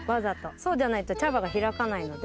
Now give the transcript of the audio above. そうじゃないと茶葉が開かないので。